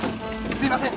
すいません